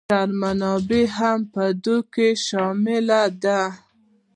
بشري منابع هم په دې کې شامل دي.